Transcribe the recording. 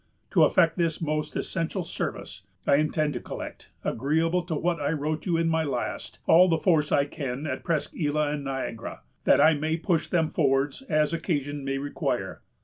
To effect this most essential service, I intend to collect, agreeable to what I wrote you in my last, all the force I can at Presqu' Isle and Niagara, that I may push them forwards as occasion may require.